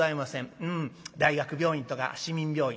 大学病院とか市民病院